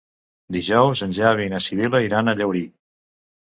Dijous en Xavi i na Sibil·la iran a Llaurí.